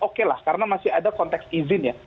oke lah karena masih ada konteks izin ya